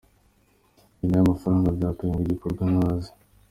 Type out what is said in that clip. Iyi nayo amafaranga byatwaye ngo ikorwe ntazwi.